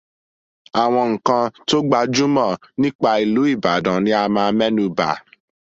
Àwọn nkan tó gbajúmọ̀ nípa ìlú Ìbàdàn ni a máa mẹ́nu bà.